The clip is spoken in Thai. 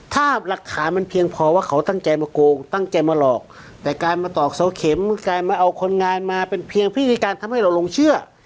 ถ้าหลักฐานมันเพียงพอว่าเขาตั้งใจมาโกงตั้งใจมาหลอกแต่การมาตอกเสาเข็มการมาเอาคนงานมาเป็นเพียงพิธีการทำให้เราลงเชื่อ